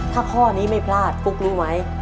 ถ้าข้อนี้ไม่พลาดฟุ๊กรู้ไหม